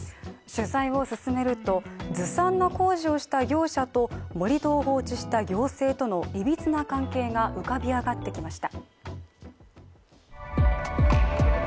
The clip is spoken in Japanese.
取材を進めると、ずさんな工事をした業者と盛り土を放置した行政との、いびつな関係が浮かび上がってきました。